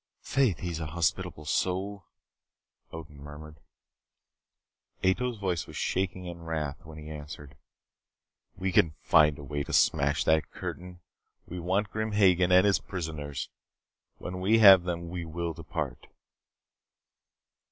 "Faith, he's a hospitable soul," Odin murmured. Ato's voice was shaking in wrath when he answered. "We can find a way to smash that curtain. We want Grim Hagen and his prisoners. When we have them we will depart."